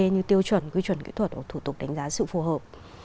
như tiêu chuẩn quy chuẩn kỹ thuật hoặc thủ tục đánh giá sự phù hợp